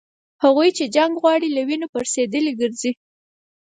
هغوی چي جنګ غواړي له وینو پړسېدلي ګرځي